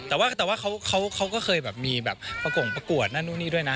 แต่ว่าเขาก็เคยมีประกวดนั่นนู่นนี่ด้วยนะ